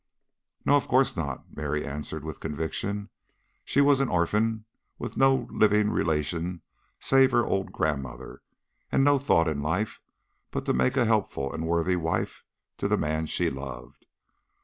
"No, of course not," Mary answered with conviction. She was an orphan with no living relation save her old grandmother, and no thought in life but to make a helpful and worthy wife to the man she loved.